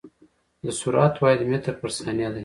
د سرعت واحد متر پر ثانيه ده.